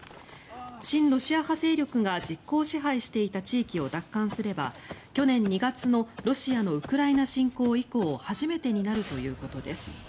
親ロシア派勢力が実効支配していた地域を奪還すれば去年２月のロシアのウクライナ侵攻以降初めてになるということです。